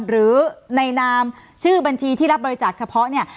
หรือในนามชื่อบัญชีที่รับบริจาคเฉพาะเนี่ย